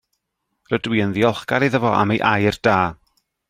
Rydw i yn ddiolchgar iddo fo am ei air da.